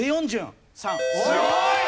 すごい！